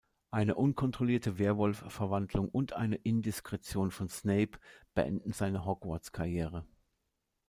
Eine unkontrollierte Werwolf-Verwandlung und eine Indiskretion von Snape beenden seine Hogwarts-Karriere.